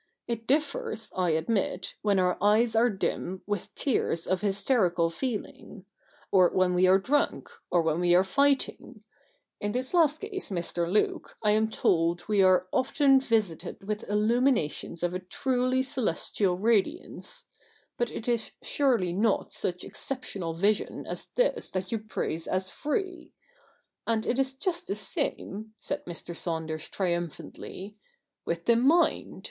It differs, I admit, when our eyes are dim with tears of hysterical feeling ; or when we are drunk ; or when we are fighting — in this last case, Mr. Luke, I am told we are often visited with illuminations of a truly celestial 154 THE NEW REPUBLIC [bk. hi radiance — but it is surely not such exceptional vision as this that you praise as free. And it is just the same,' said Mr. Saunders triumphantly, 'with the mind.